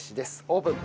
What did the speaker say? オープン！